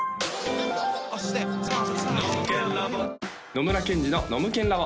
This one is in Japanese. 野村ケンジのノムケンＬａｂ！